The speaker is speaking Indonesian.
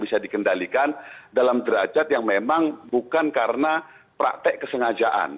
bisa dikendalikan dalam derajat yang memang bukan karena praktek kesengajaan